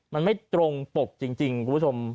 มันไม่ตรงปกจริงคุณผู้ชม